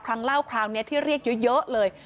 เล่าคราวนี้ที่เรียกเยอะเลย